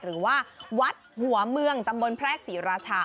หรือว่าวัดหัวเมืองตำบลแพรกศรีราชา